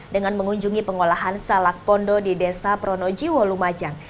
dengan mengunjungi pengolahan salak pondo di desa pronojiwo lumajang